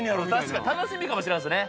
確かに楽しみかもしれないですね。